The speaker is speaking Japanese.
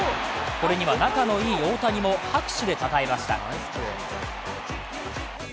これには仲のいい大谷も拍手でたたえました。